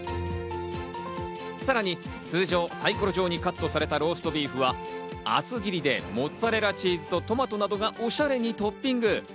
さらに通常、サイコロ状にカットされたローストビーフは厚切りで、モッツァレラチーズとトマトなどがおしゃれにトッピング。